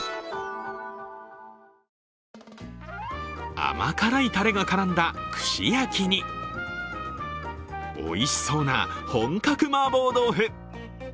甘辛いたれが絡んだ串焼きに、おいしそうな本格マーボー豆腐。